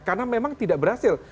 karena memang tidak berhasil